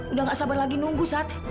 udah gak sabar lagi nunggu saat